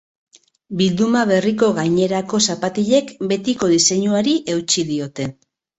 Bilduma berriko gainerako zapatilek betiko diseinuari eutsi diote.